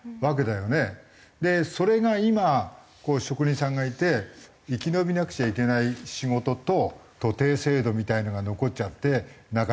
それが今こういう職人さんがいて生き延びなくちゃいけない仕事と徒弟制度みたいのが残っちゃってなかなか育たないと。